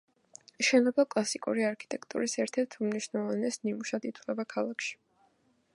შენობა კლასიკური არქიტექტურის ერთ-ერთ უმნიშვნელოვანეს ნიმუშად ითვლება ქალაქში.